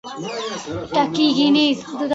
وزې د طبیعي ژوند نښه ده